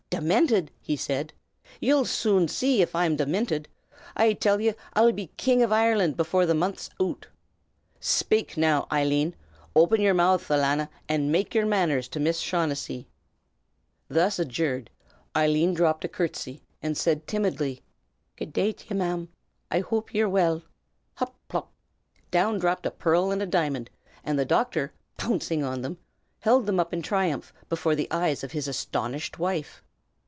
"Diminted?" he said; "ye'll soon see av I'm diminted. I till ye I'll be King av Ireland before the month's oot. Shpake, now, Eileen! Open yer mouth, alanna, and make yer manners to Misthress O'Shaughnessy." Thus adjured, Eileen dropped a courtesy, and said, timidly, "Good day t' ye, Ma'm! I houp ye're well!" Hop! pop! down dropped a pearl and a diamond, and the doctor, pouncing on them, held them up in triumph before the eyes of his astonished wife.